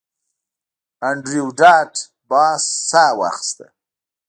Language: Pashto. انډریو ډاټ باس ساه واخیسته